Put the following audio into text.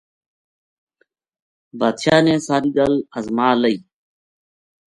بادشاہ نے ساری گل ازما لئی